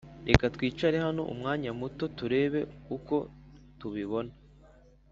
reka twicare hano umwanya muto turebe uko tubibona.